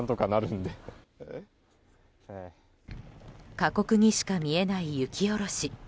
過酷にしか見えない雪下ろし。